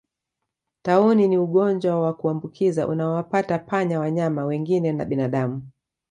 Tauni ni ugonjwa wa kuambukiza unaowapata panya wanyama wengine na binadamu